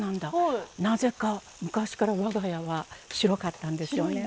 なぜか昔から我が家は白かったんですね。